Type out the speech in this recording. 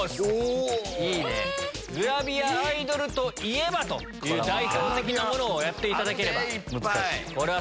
グラビアアイドルといえばという代表的なものをやっていただけば。